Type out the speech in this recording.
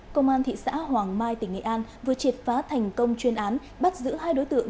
công an thị xã hoàng mai tỉnh nghệ an vừa triệt phá thành công chuyên án bắt giữ hai đối tượng